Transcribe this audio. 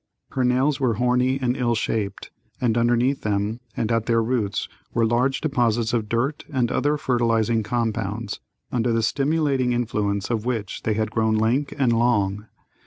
Her nails were horny and ill shaped, and underneath them and at their roots were large deposits of dirt and other fertilizing compounds, under the stimulating influence of which they had grown lank and long.